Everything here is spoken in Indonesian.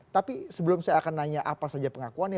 tapi sebelum saya akan nanya apa saja pengakuannya